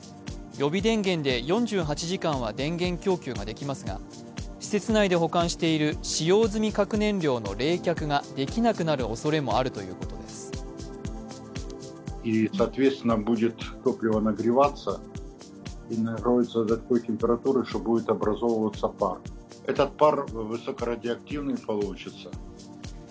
予備電源で４８時間は電源供給ができますが、施設内で保管している使用済み核燃料の冷却ができなくなるおそれもあるということです。